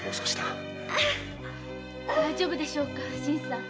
大丈夫でしょうか新さん。